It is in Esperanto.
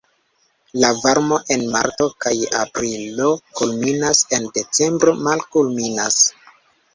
La varmo en marto kaj aprilo kulminas, en decembro malkulminas.